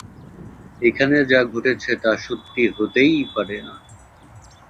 এখানে যা ঘটেছে, তা সত্যি হতেই পারে না।